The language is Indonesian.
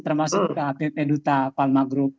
termasuk pt duta palma group